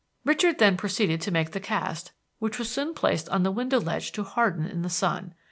Richard then proceeded to make the cast, which was soon placed on the window ledge to harden in the sun.